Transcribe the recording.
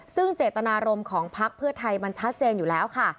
ซึ่งเจตนารมณ์ของพักเพื่อไทยมันชัดเจนอยู่แล้วค่ะ